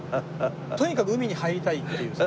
とにかく海に入りたいっていうさ。